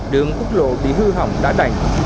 đường quốc lộ bị hư hỏng đã đành